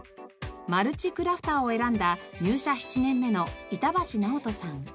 マルチクラフターを選んだ入社７年目の板橋直斗さん。